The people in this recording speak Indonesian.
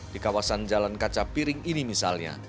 di kawasan jalan kaca piring ini misalnya